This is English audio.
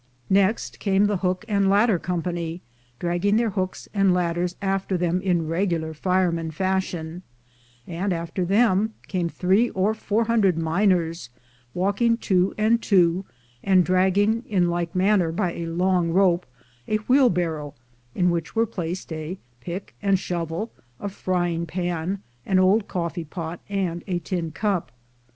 Next came the hook and ladder company, dragging their hooks and ladders after them in regular firemen fashion; and after them came three or four hundred miners, walking two and two, and dragging, in like manner, by a long rope, a wheelbarrow, in which were placed a pick and shovel, a frying pan, an old coffee pot, and a tin cup.